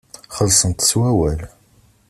Xellxen-t s wawal.